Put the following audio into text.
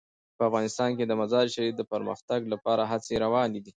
په افغانستان کې د مزارشریف د پرمختګ لپاره هڅې روانې دي.